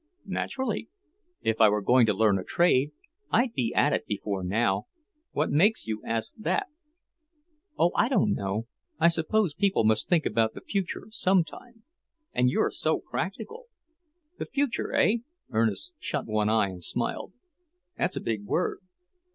"Naturally. If I were going to learn a trade, I'd be at it before now. What makes you ask that?" "Oh, I don't know! I suppose people must think about the future sometime. And you're so practical." "The future, eh?" Ernest shut one eye and smiled. "That's a big word.